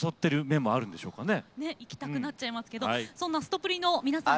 行きたくなっちゃいますけどそんなすとぷりの皆さんには。